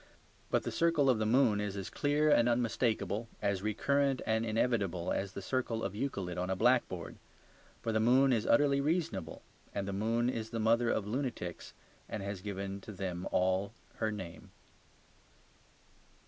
But the circle of the moon is as clear and unmistakable, as recurrent and inevitable, as the circle of Euclid on a blackboard. For the moon is utterly reasonable; and the moon is the mother of lunatics and has given to them all her name.